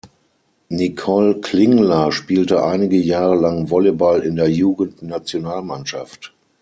Nicole Klingler spielte einige Jahre lang Volleyball in der Jugend-Nationalmannschaft.